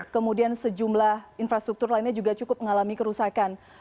kemudian sejumlah infrastruktur lainnya juga cukup mengalami kerusakan